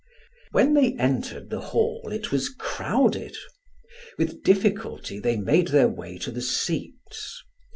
When they entered the hall, it was crowded; with difficulty they made their way to their seats.